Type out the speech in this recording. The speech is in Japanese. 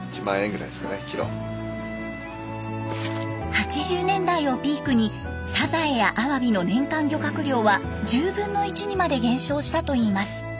８０年代をピークにサザエやアワビの年間漁獲量は１０分の１にまで減少したといいます。